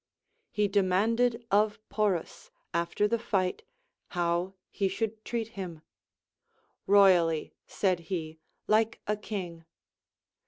He demanded of Porus, after the fight, how he should treat him. lloyally, said he, like a king.